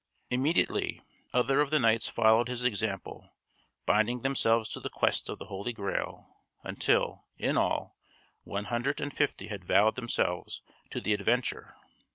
Immediately other of the knights followed his example, binding themselves to the Quest of the Holy Grail until, in all, one hundred and fifty had vowed themselves to the adventure.